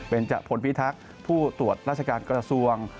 เป็นจพลพิทักษ์ผู้ตรวจราชการกระทรวง